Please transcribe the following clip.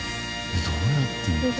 どうやってるの？